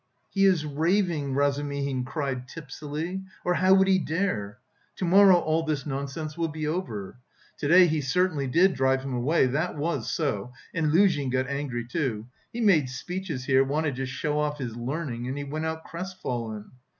"He is raving," Razumihin cried tipsily, "or how would he dare! To morrow all this nonsense will be over... to day he certainly did drive him away. That was so. And Luzhin got angry, too.... He made speeches here, wanted to show off his learning and he went out crest fallen...."